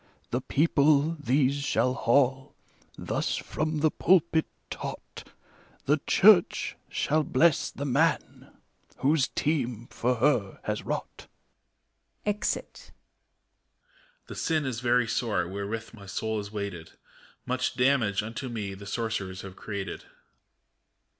The people these shall haul, thus from the pulpit taught; The Church shall bless the man, whose team for her has wrought. [Exit. EMPEROR. The sin is very sore, wherewith my soul is weighted : Much damage unto me the Sorcerers have created.